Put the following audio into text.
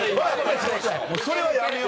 それはやめよう。